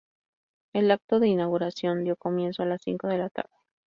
El acto de inauguración dio comienzo a las cinco de la tarde.